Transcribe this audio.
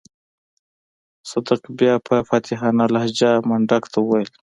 صدک بيا په فاتحانه لهجه منډک ته وويل.